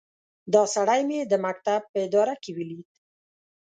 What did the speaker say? دا سړی مې د مکتب په اداره کې وليد.